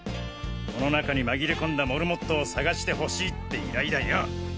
この中に紛れ込んだモルモットを探してほしいって依頼だよ。